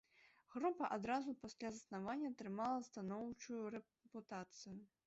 Група адразу пасля заснавання атрымала станоўчую рэпутацыю.